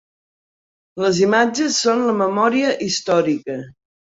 Les imatges són la memòria històrica.